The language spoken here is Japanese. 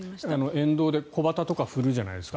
沿道で小旗とか振るじゃないですか。